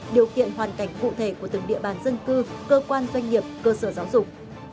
điều kiện hoàn cảnh cụ thể của từng địa bàn dân cư cơ quan doanh nghiệp cơ sở giáo dục